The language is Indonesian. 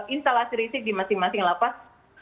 instalasi risik di masing masing lapas